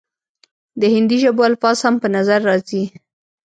د هندي ژبو الفاظ هم پۀ نظر راځي،